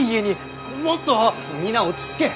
皆落ち着け。